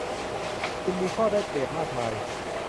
คุณมีข้อได้เปรียบมากมาย